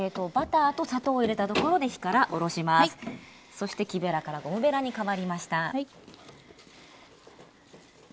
そして木べらからゴムべらに変わりました。